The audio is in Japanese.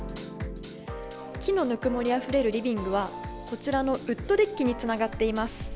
木のぬくもりあふれるリビングは、こちらのウッドデッキにつながっています。